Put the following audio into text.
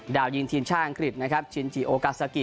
ดาวยิงทีมชาติอังกฤษนะครับชินจิโอกาซากิ